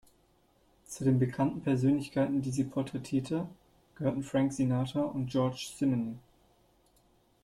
Zu den bekannten Persönlichkeiten, die sie porträtierte, gehören Frank Sinatra und Georges Simenon.